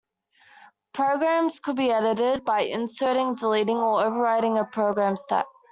Programs could be edited by inserting, deleting, or overwriting a program step.